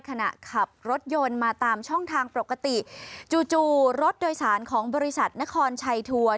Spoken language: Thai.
ขับรถยนต์มาตามช่องทางปกติจู่จู่รถโดยสารของบริษัทนครชัยทัวร์